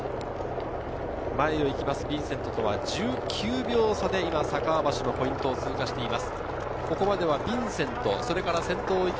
前を行くヴィンセントとは１９秒差で酒匂橋のポイントを通過していきます。